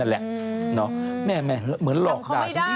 เหมือนหลอกด่าฉันดีดี